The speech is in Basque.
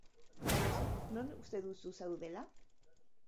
Baina zuk non uste duzu zaudela?